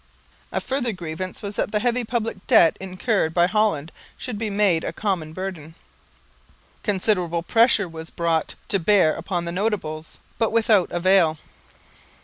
A further grievance was that the heavy public debt incurred by Holland should be made a common burden. Considerable pressure was brought to bear upon the notables, but without avail.